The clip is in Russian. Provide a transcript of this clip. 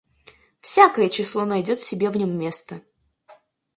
Всякое число найдёт себе в нём место.